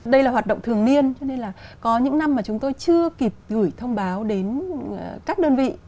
đây là hoạt động thường niên cho nên là có những năm mà chúng tôi chưa kịp gửi thông báo đến các đơn vị